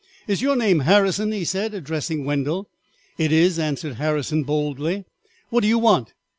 "Is your name Harrison?" he said, addressing Wendell. "It is," answered Harrison boldly; "what do you want?"